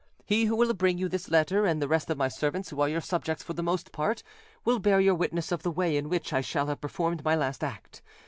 He who will bring you this letter, and the rest of my servants, who are your subjects for the most part, will bear you witness of the way in which I shall have performed my last act.